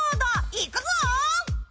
いくぞ！